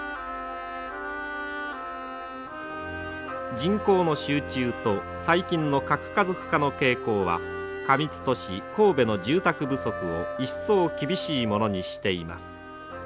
人口の集中と最近の核家族化の傾向は過密都市神戸の住宅不足を一層厳しいものにしています。